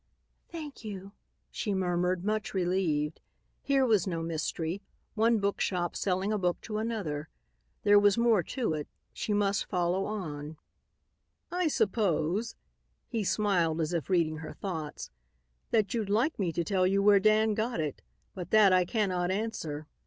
"Thank you," she murmured, much relieved. Here was no mystery; one bookshop selling a book to another. There was more to it. She must follow on. "I suppose," he smiled, as if reading her thoughts, "that you'd like me to tell you where Dan got it, but that I cannot answer.